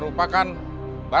bapak bisa mencoba